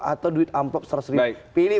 atau duit amplop seratus ribu pilih